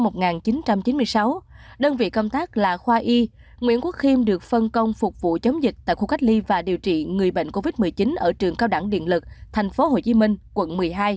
nhân vị công tác là khoa y nguyễn quốc khiêm được phân công phục vụ chống dịch tại khu cách ly và điều trị người bệnh covid một mươi chín ở trường cao đẳng điện lực thành phố hồ chí minh quận một mươi hai